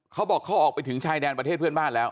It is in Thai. เขาบอกเขาออกไปถึงชายแดนประเทศเพื่อนบ้านแล้ว